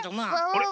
あれ？